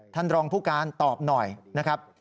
ท่านรองผู้การตอบหน่อยนะครับ